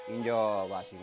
ini adalah basing